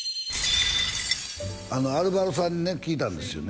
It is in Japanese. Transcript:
アルバロさんにね聞いたんですよね